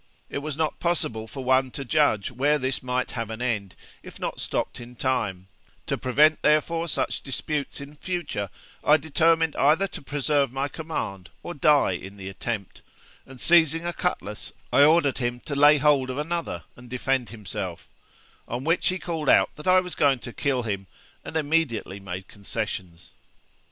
It was not possible for one to judge where this might have an end, if not stopped in time; to prevent therefore such disputes in future, I determined either to preserve my command or die in the attempt; and seizing a cutlass, I ordered him to lay hold of another and defend himself; on which he called out that I was going to kill him, and immediately made concessions.